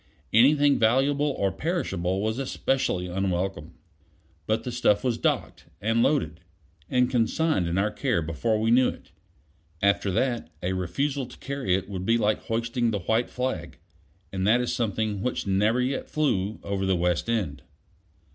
Anything valuable or perishable was especially unwelcome. But the stuff was docked, and loaded, and consigned in our care before we knew it. After that, a refusal to carry it would be like hoisting the white flag; and that is something which never yet flew over the West End.